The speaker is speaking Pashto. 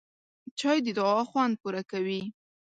چای د دعا خوند پوره کوي